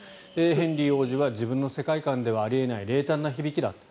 ヘンリー王子は自分の世界観ではあり得ない冷淡な響きだと。